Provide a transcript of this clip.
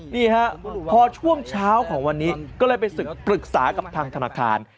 นี่ฮะพอช่วงเช้าของวันนี้ก็เลยไปปรึกษากับทางธนาคาร